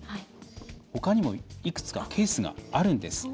ほかにもいくつかケースがあるんです。